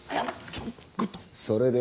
それで？